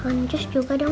lalu jus juga dong